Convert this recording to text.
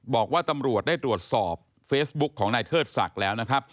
บอกว่าตำรวจได้ตรวจสอบเฟซบุ๊กของนายเทิดศักดิ์แล้วนะครับ